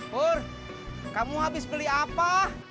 hur kamu habis beli apa